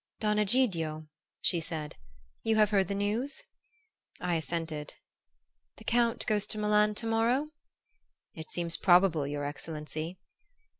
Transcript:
"Don Egidio," she said, "you have heard the news?" I assented. "The Count goes to Milan to morrow?" "It seems probable, your excellency."